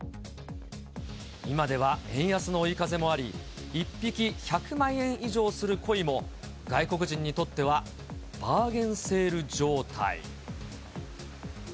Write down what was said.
今では円安の追い風もあり、１匹１００万円以上するコイも、外国人にとっては、バーゲンセール状態。